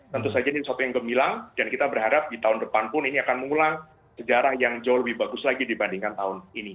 tentu saja ini suatu yang gemilang dan kita berharap di tahun depan pun ini akan mengulang sejarah yang jauh lebih bagus lagi dibandingkan tahun ini